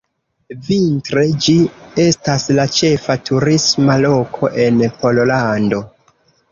Vintre, ĝi estas la ĉefa turisma loko en Pollando.